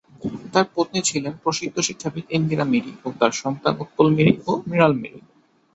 তার পত্নী ছিলেন প্রসিদ্ধ শিক্ষাবিদ ইন্দিরা মিরি ও তার সন্তান উৎপল মিরি ও মৃণাল মিরি।